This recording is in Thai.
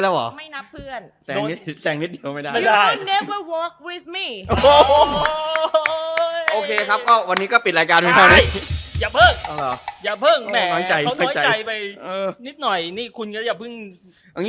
นี่คุณก็อย่าเพิ่ง